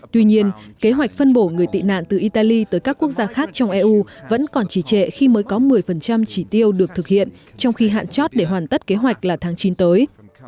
tuy nhiên kế hoạch phân bổ người tị nạn từ italy tới các quốc gia khác trong eu vẫn còn trì trệ khi mới có một mươi chỉ tiêu được thực hiện trong khi hạn chót để hoàn tất kế hoạch là tháng chín tới